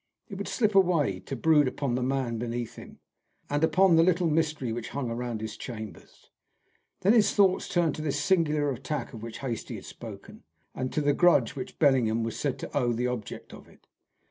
It would slip away to brood upon the man beneath him, and upon the little mystery which hung round his chambers. Then his thoughts turned to this singular attack of which Hastie had spoken, and to the grudge which Bellingham was said to owe the object of it.